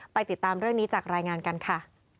ติดตามเรื่องนี้จากรายงานกันค่ะ